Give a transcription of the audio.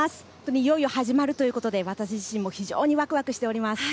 いよいよ始まるということで私自身もワクワクしております。